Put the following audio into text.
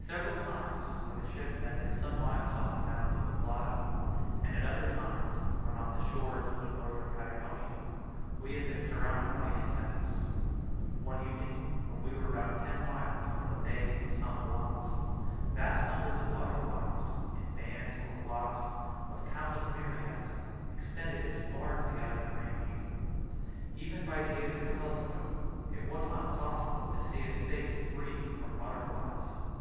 Several times when the ship has been some miles off the mouth of the Plata, and at other times when off the shores of Northern Patagonia, we have been surrounded by insects. One evening, when we were about ten miles from the Bay of San Blas, vast numbers of butterflies, in bands or flocks of countless myriads, extended as far as the eye could range. Even by the aid of a telescope it was not possible to see a space free from butterflies.